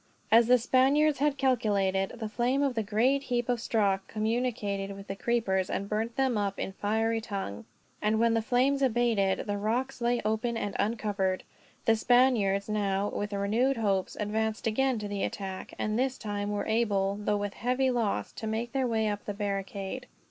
As the Spaniards had calculated, the flame of the great heap of straw communicated with the creepers, and burnt them up in its fiery tongue; and when the flames abated, the rocks lay open and uncovered. The Spaniards now, with renewed hopes, advanced again to the attack; and this time were able, although with heavy loss, to make their way up the barricade.